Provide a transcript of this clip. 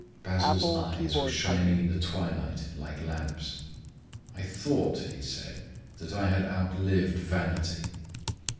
Basil's eyes were shining in the twilight like lamps. "I thought," he said, "that I had outlived vanity."